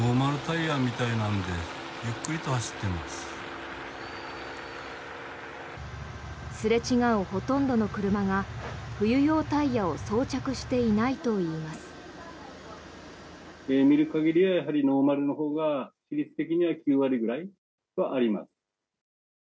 すれ違うほとんどの車が冬用タイヤを装着していないといいます。